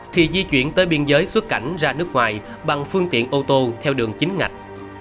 thì di chuyển tới biên giới xuất cảnh ra nước ngoài bằng phương tiện ô tô theo đường chính ngạch